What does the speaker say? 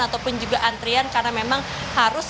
ataupun juga antrian karena memang harus